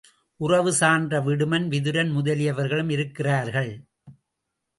உறவு சான்ற விடுமன், விதுரன் முதலியவர்களும் இருக்கிறார்கள்.